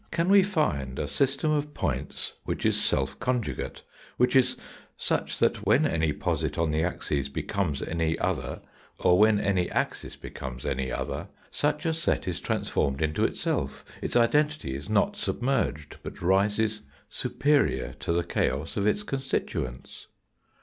Can we find a system of points which is self conjugate which is such that when any posit on the axes becomes any other, or APPLICATION TO KANT'S THEORY OF EXPERIENCE 115 when any axis becomes any other, such a set is trans formed into itself, its identity is not submerged, but rises superior to the chaos of its constituents?